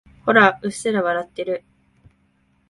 ほら、うっすら笑ってる。